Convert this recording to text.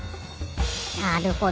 なるほど。